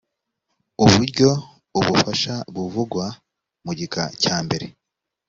uburyo ubufasha buvugwa mu gika cya mbere